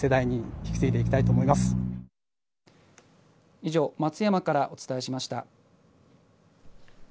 以上、松山からお伝えしました。